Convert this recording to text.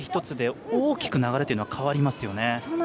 １つで大きく流れというのは変わりますよね。